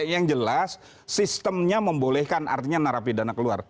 yang jelas sistemnya membolehkan artinya narapi dana keluar